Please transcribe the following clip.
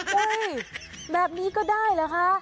เฮ้ยแบบนี้ก็ได้เหรอคะ